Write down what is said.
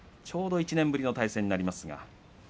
ちょうど１年ぶりの対戦になります。